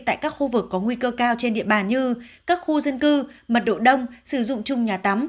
tại các khu vực có nguy cơ cao trên địa bàn như các khu dân cư mật độ đông sử dụng chung nhà tắm